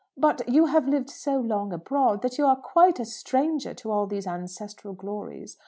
"But you have lived so long abroad, that you are quite a stranger to all these ancestral glories.